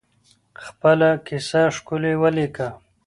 خپله کیسه ښکلې ولیکئ.